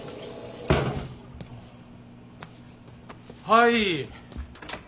はい。